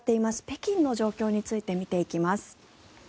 北京の状況について見ていきます。